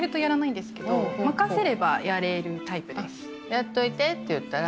やっといてって言ったら。